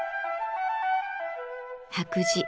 「白磁」